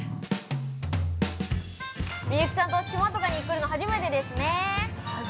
みゆきさんと島とかに来るの初めてですね。